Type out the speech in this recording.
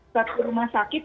satu rumah sakit